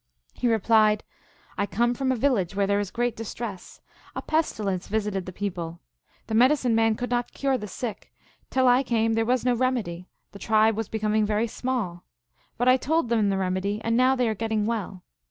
" He replied, "I come from a village where there is great distress. A pestilence visited the people. The medicine man could not cure the sick; till I came there was no remedy ; the tribe was becoming very small. But I told them the remedy, and now they are getting well.